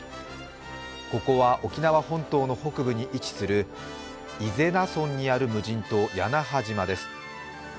ここは沖縄本島の北部に位置する伊是名村にある無人島・屋那覇島です。